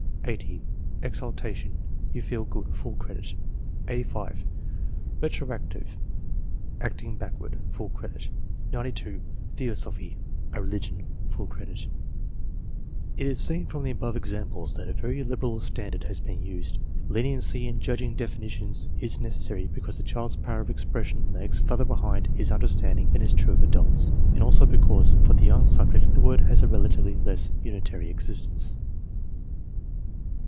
80. Exaltation. "You feel good." (Full credit.) 85. Retroactive. "Acting backward." (Full credit.) 92. Tkeosophy. "A religion," (Full credit.) TEST NO. VIEE, G 229 It is seen from the above examples that a very liberal standard has been used. Leniency in judging definitions is necessary because the child's power of expression lags far ther behind his understanding than is true of adults, and also because for the young subject the word has a rela tively less unitary existence.